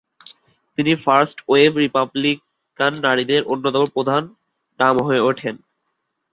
তিনি first wave Republican নারীবাদীদের অন্যতম প্রধান নাম হয়ে ওঠেন।